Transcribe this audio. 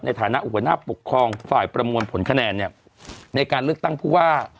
ในฐานะหัวหน้าปกครองฝ่ายประมวลผลคะแนนเนี่ยในการเลือกตั้งผู้ว่า